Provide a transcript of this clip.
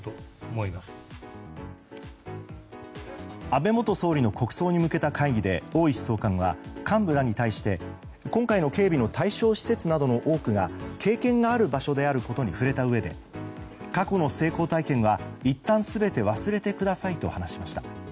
安倍元総理の国葬に向けた会議で大石総監は幹部らに対して今回の警備の対象施設などの多くが経験がある場所であることに触れたうえで過去の成功体験はいったん全て忘れてくださいと話しました。